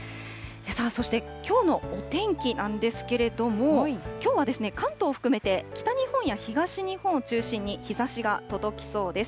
さあ、そしてきょうのお天気なんですけれども、きょうは関東含めて、北日本や東日本を中心に、日ざしが届きそうです。